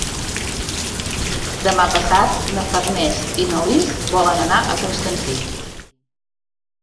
Demà passat na Farners i na Lis volen anar a Constantí.